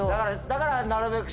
だからなるべく。